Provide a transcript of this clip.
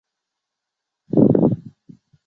骏河沼津藩藩主。